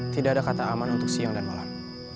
tidak ada kata aman untuk siang dan malam